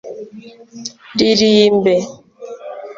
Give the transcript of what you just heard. ririmbe